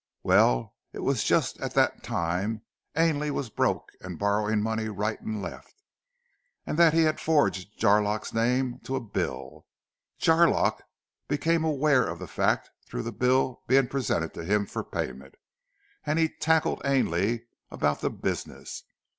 "Well, it was that just at that time, Ainley was broke and borrowing money right and left, and that he had forged Jarlock's name to a bill. Jarlock became aware of the fact through the bill being presented to him for payment, and he tackled Ainley about the business.